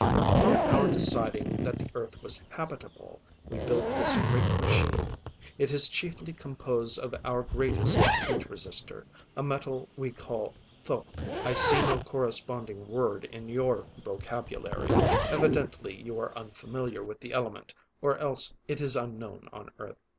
"Upon our deciding that the Earth was habitable, we built this great machine. It is chiefly composed of our greatest heat resister, a metal we call thoque; I see no corresponding word in your vocabulary; evidently you are unfamiliar with the element, or else it is unknown on Earth.